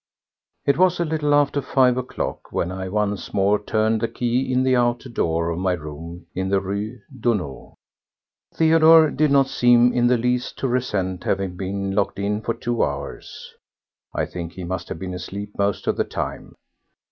4. It was a little after five o'clock when I once more turned the key in the outer door of my rooms in the Rue Daunou. Theodore did not seem in the least to resent having been locked in for two hours. I think he must have been asleep most of the time.